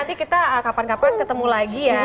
nanti kita kapan kapan ketemu lagi ya